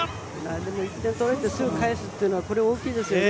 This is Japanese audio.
でも１点取られてすぐ返すというのは大きいですよね。